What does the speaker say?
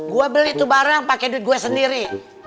gue beli itu barang pakai duit gue sendiri